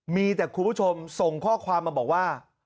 มีแต่คุณผู้ชมส่งข้อความมาบอกว่า